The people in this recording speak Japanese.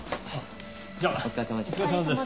じゃあお疲れさまです。